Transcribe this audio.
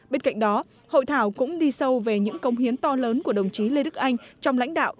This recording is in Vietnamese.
bên cạnh đó hội thảo cũng đi sâu về những công hiến to lớn của đồng chí lê đức anh trong lãnh đạo